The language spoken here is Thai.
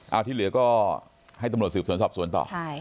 เอาที่เหลือก็ให้ตำรวจสืบสวนสอบสวนต่อ